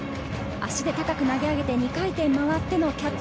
足で高く投げ上げて２回転回ってのキャッチ。